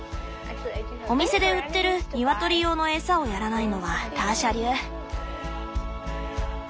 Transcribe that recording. お店で売ってるニワトリ用の餌をやらないのはターシャ流。